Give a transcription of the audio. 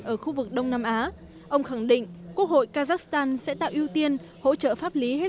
ở khu vực đông nam á ông khẳng định quốc hội kazakhstan sẽ tạo ưu tiên hỗ trợ pháp lý hết